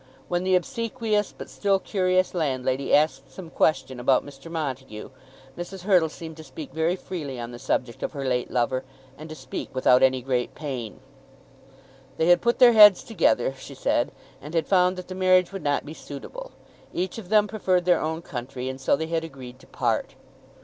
When the obsequious but still curious landlady asked some question about Mr. Montague, Mrs. Hurtle seemed to speak very freely on the subject of her late lover, and to speak without any great pain. They had put their heads together, she said, and had found that the marriage would not be suitable. Each of them preferred their own country, and so they had agreed to part.